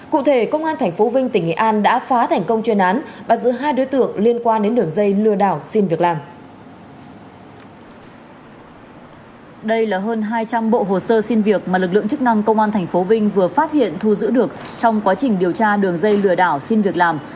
cụ thể công an tp vinh tỉnh nghệ an đã phá thành công chuyên án và giữ hai đối tượng liên quan đến đường dây lừa đảo xin việc làm